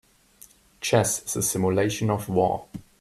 Chess is a simulation of war.